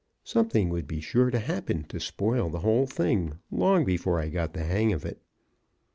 Something would be sure to happen to spoil the whole thing long before I got the hang of it.